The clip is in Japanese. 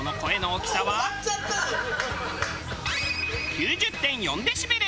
９０．４デシベル。